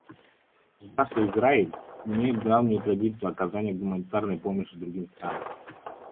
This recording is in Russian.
Государство Израиль имеет давнюю традицию оказания гуманитарной помощи другим странам.